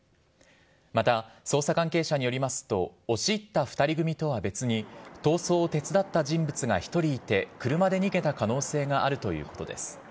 また捜査関係者によりますと、押し入った２人組とは別に、逃走を手伝った人物が１人いて、車で逃げた可能性があるということです。